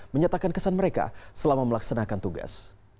menyatakan kesan mereka selama melaksanakan tugas